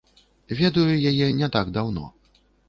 Ведаю яе не так даўно.